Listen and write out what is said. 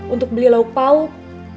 untuk beli lauk pauk